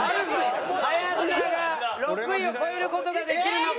林田が６位を超える事ができるのか？